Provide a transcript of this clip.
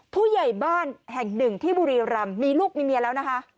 ผู้ใหญ่บ้านแห่งหนึ่งที่บุรีรำมีลูกมีเมียแล้วนะคะ